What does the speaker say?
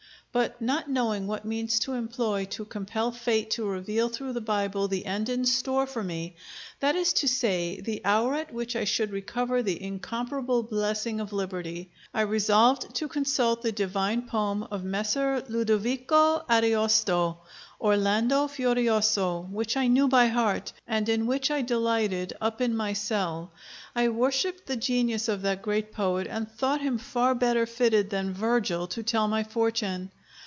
But not knowing what means to employ to compel Fate to reveal through the Bible the end in store for me that is to say, the hour at which I should recover the incomparable blessing of liberty I resolved to consult the divine poem of Messer Ludovico Ariosto, 'Orlando Furioso,' which I knew by heart, and in which I delighted up in my cell. I worshiped the genius of that great poet, and thought him far better fitted than Virgil to tell my fortune.